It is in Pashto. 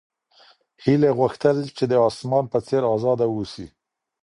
هیلې غوښتل چې د اسمان په څېر ازاده اوسي.